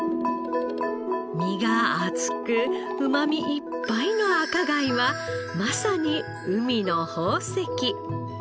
身が厚くうまみいっぱいの赤貝はまさに海の宝石。